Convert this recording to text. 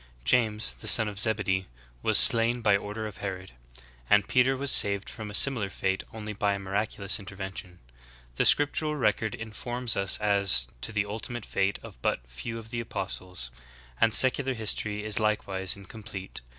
^ James, the son of Zebedee, was slain by order of Herod/ and Peter was saved from a similar fate only by a miraculous intervention.'" The scriptural record informs us as to the ultimate fate of but few of the apostles; and secular history is likewise in complete.